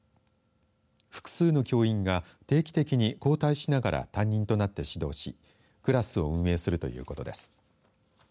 複数の教員が定期的に交代しながら担任となって指導しクラスを運営するということです。